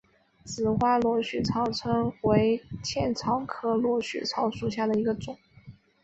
紫花螺序草为茜草科螺序草属下的一个种。